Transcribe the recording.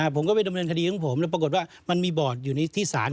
ผมก็ไปดำเนินคดีของผมแล้วปรากฏว่ามันมีบอร์ดอยู่ในที่ศาล